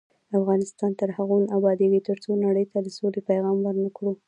افغانستان تر هغو نه ابادیږي، ترڅو نړۍ ته د سولې پیغام ورنکړو.